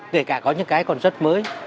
kể cả có những cái còn rất mới